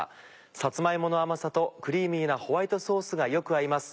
さつま芋の甘さとクリーミーなホワイトソースがよく合います。